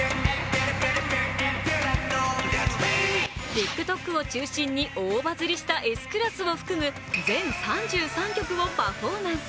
ＴｉｋＴｏｋを中心に大バズりした「Ｓ−Ｃｌａｓｓ」を含む全３３曲をパフォーマンス。